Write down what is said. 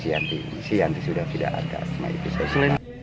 semua itu saya silakan